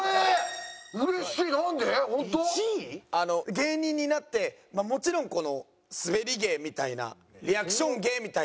芸人になってもちろんこのスベリ芸みたいなリアクション芸みたいな。